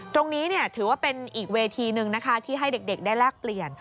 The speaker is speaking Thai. ตรงนี้ถือว่าเป็นอีกเวทีหนึ่งนะคะที่ให้เด็กได้แลกเปลี่ยน